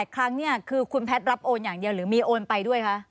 ครั้งเนี่ยคือคุณแพทย์รับโอนอย่างเดียวหรือมีโอนไปด้วยคะ